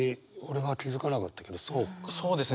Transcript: そうですね。